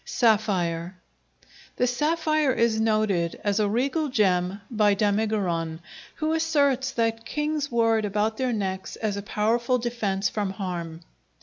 Sapphire The sapphire is noted as a regal gem by Damigeron, who asserts that kings wore it about their necks as a powerful defence from harm.